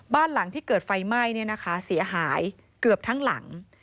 บ้านหลังที่เกิดไฟไหม้เสียหายเกือบทั้งหลัง